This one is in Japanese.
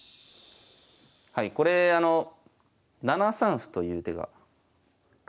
はいこれあの７三歩という手が。